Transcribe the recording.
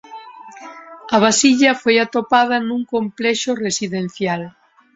A vasilla foi atopada nun complexo residencial.